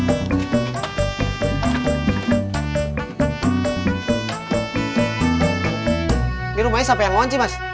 ini rumahnya siapa yang launching mas